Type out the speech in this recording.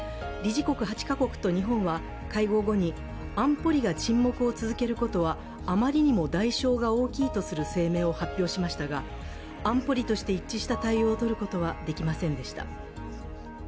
理事国８カ国と日本は会合後に安保理が沈黙を続けることは、あまりにも代償が大きいとの声明を発表しましたが、安保理として一致した対応をとることはできませんでした。